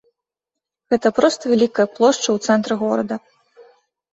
Гэта проста вялікая плошча ў цэнтры горада.